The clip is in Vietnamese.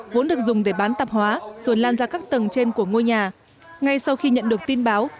vốn được dùng để bán tạp hóa rồi lan ra các tầng trên của ngôi nhà ngay sau khi nhận được tin báo